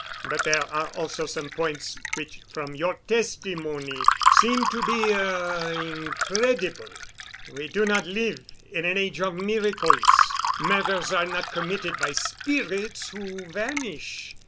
But there are also some points which from your testimony seem to be—er—incredible. We do not live in an age of miracles. Murders are not committed by spirits who vanish.